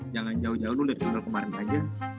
jangan jauh jauh lu dari channel kemarin aja